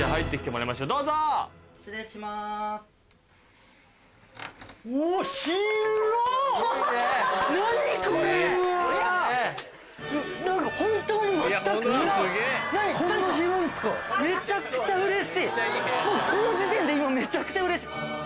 もうこの時点で今めちゃくちゃうれしい！